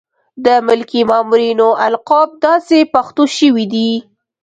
د ملکي مامورینو القاب داسې پښتو شوي دي.